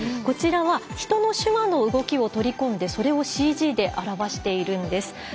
こちらは、人の手話の動きを取り込んでそれをＣＧで表しているんです。